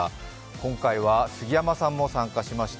今回は杉山さんも参加しました。